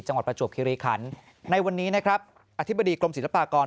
ประจวบคิริขันในวันนี้นะครับอธิบดีกรมศิลปากร